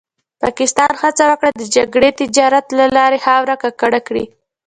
پاکستان هڅه وکړه د جګړې تجارت له لارې خاوره ککړه کړي.